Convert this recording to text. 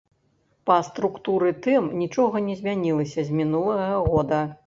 Па структуры тэм нічога не змянілася з мінулага года.